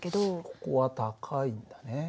ここは「高い」だね。